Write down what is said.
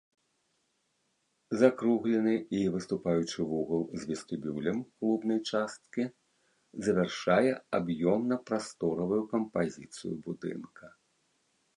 Закруглены і выступаючы вугал з вестыбюлем клубнай часткі завяршае аб'ёмна-прасторавую кампазіцыю будынка.